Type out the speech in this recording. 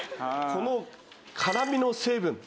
この辛みの成分